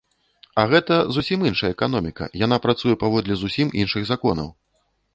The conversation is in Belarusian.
А гэта зусім іншая эканоміка, яна працуе паводле зусім іншых законаў!